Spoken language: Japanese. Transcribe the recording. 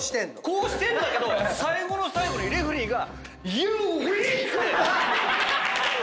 こうしてんだけど最後の最後にレフェリーが。